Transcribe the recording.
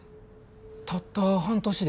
たった半年で？